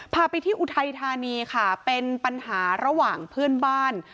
พาไปที่อุทัยธานีค่ะเป็นปัญหาระหว่างเพื่อนบ้าน